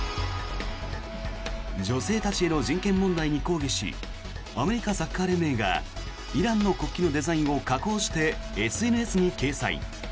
女性たちへの人権問題に抗議しアメリカサッカー連盟がイランの国旗のデザインを加工してＳＮＳに掲載。